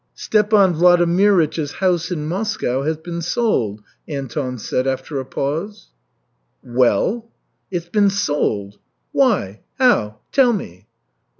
"Stepan Vladimirych's house in Moscow has been sold," Anton said after a pause. "Well?" "It's been sold." "Why? How? Tell me."